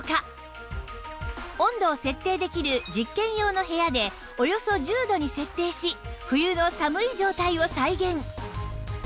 温度を設定できる実験用の部屋でおよそ１０度に設定し冬の寒い状態を再現